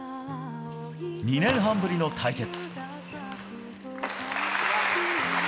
２年半ぶりの対決。